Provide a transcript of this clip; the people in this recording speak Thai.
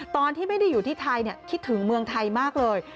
ตอนที่ไม่ได้อยู่ที่ไทยคิดถึงเมืองไทยมากเลย